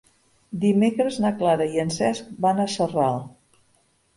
Dimecres na Clara i en Cesc van a Sarral.